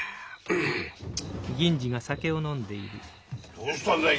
どうしたんだよ？